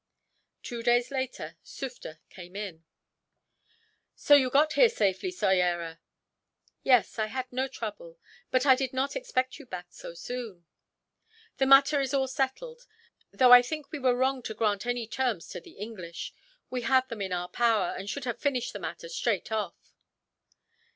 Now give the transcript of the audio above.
Two days later, Sufder came in. "So you got here safely, Soyera?" "Yes, I had no trouble. But I did not expect you back so soon." "The matter is all settled, though I think we were wrong to grant any terms to the English. We had them in our power, and should have finished the matter, straight off."